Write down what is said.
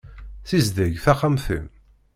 Sizdeg taxxamt-im.